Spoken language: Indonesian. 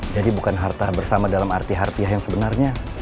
jadi bukan harta bersama dalam arti artiah yang sebenarnya